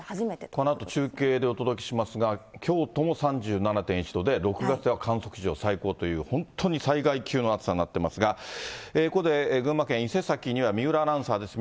このあと中継でお届けしますが、京都も３７．１度で、６月では観測史上最高という、本当に災害級の暑さになってますが、ここで群馬県伊勢崎には三浦アナウンサーです。